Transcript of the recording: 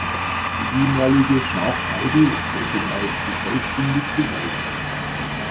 Die ehemalige Schafweide ist heute nahezu vollständig bewaldet.